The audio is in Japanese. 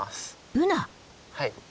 はい。